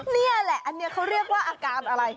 นี่แหละอันนี้เขาเรียกว่าอาการอะไร